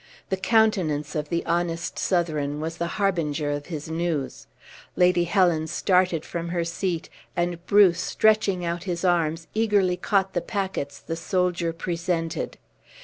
The countenance of the honest Southron was the harbinger of his news. Lady Helen started from her seat, and Bruce, stretching out his arms, eagerly caught the packets the soldier presented.